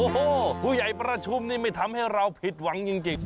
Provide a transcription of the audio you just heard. โอ้โหผู้ใหญ่ประชุมนี่ไม่ทำให้เราผิดหวังจริง